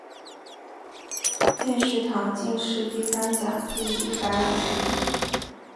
殿试登进士第三甲第一百五十名。